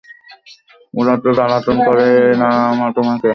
ওরা তো জ্বালাতন করে না তোমাকে?